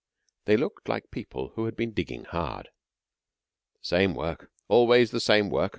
They looked like people who had been digging hard. "The same work. Always the same work!"